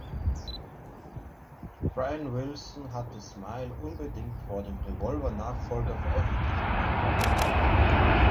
Brian Wilson hatte "Smile" unbedingt vor dem Revolver-Nachfolger veröffentlichen wollen.